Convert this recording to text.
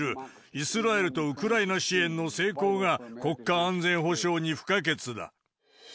イスラエルとウクライナ支援の成功が、国家安全保障に不可欠だ。